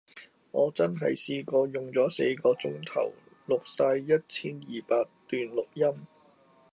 我真係試過用左四個鐘頭錄曬一千二百段錄音